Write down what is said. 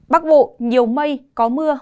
bắc bộ nhiều mây có mưa